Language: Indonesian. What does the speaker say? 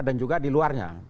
dan juga di luarnya